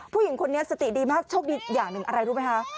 ผู้หญิงคนนี้สติดีมากโชคดีอย่างหนึ่งอะไรรู้ไหมคะ